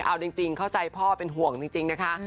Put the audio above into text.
เอาจริงเข้าใจพ่อเป็นห่วงจริงนะคะ